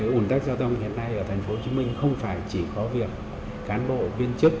vấn đề ủng tắc giao thông hiện nay ở thành phố hồ chí minh không phải chỉ có việc cán bộ viên chức